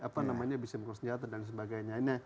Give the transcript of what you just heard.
bisa memperkuat senjata dan sebagainya